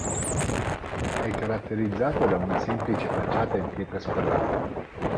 È caratterizzato da una semplice facciata in pietra squadrata.